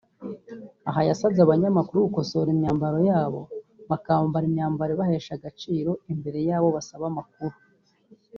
aha yasabye abanyamakuru gukosora imyambarire yabo bakambara imyambaro ibahesha agaciro imbere y’abo basaba amakuru